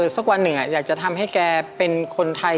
สักวันหนึ่งอยากจะทำให้แกเป็นคนไทย